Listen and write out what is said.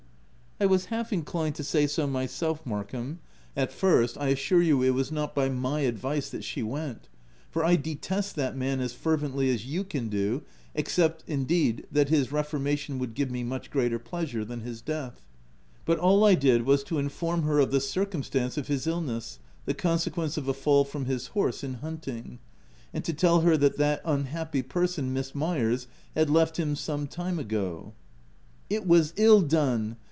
" I was half inclined to say so myself, Mark VOL. III. K 194 THE TENANT ham, at first. I assure you it was not by my advice that she went, for I detest that man as fervently as you can do — except, indeed that his reformation would give me much greater pleasure than his death :— but all I did was to inform her of the circumstance of his illness (the consequence of a fall from his horse in hunting), and to tell her that that unhappy person, Miss Myers, had left him some time ago '*" It was ill done